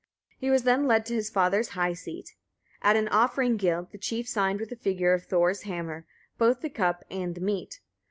He was then led to his father's high seat. At an offering guild, the chief signed with the figure of Thor's hammer both the cup and the meat.